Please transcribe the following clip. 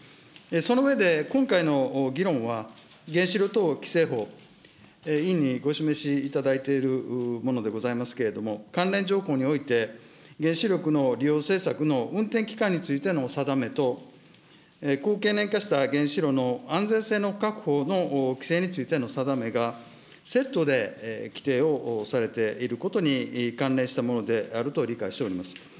その上で、今回の議論は、原子炉等規制法、委員にご示しいただいているものでございますけれども、関連条項において、原子力の利用政策の運転期間についての定めと、高経年化した原子炉の安全性の確保の規制についての定めがセットで規定をされていることに関連したものであると理解しております。